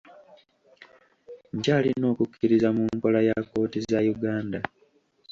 Nkyalina okukkiriza mu nkola ya kkooti za Uganda.